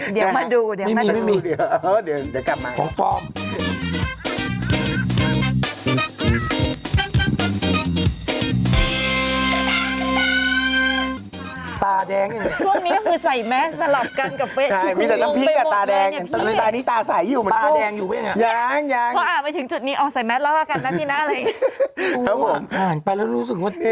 เดี๋ยวมาดู